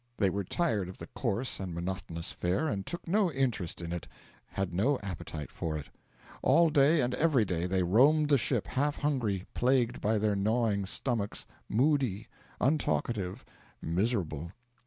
They were tired of the coarse and monotonous fare, and took no interest in it, had no appetite for it. All day and every day they roamed the ship half hungry, plagued by their gnawing stomachs, moody, untalkative, miserable.